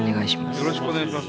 よろしくお願いします。